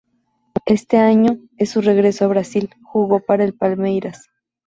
Ese año, en su regreso a Brasil, jugó para el Palmeiras.